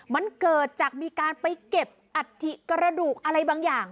มันเกิดจากมีการไปเก็บอัฐิกระดูกอะไรบางอย่าง